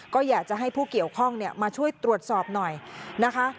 ก็อยากจะให้ผู้เกี่ยวข้องมาช่วยตรวจสอบหน่อยนะคะ